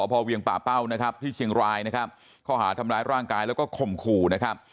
พอเวียงป่าเป้านะครับที่เชียงรายนะครับข้อหาทำร้ายร่างกายแล้วก็ข่มขู่นะครับ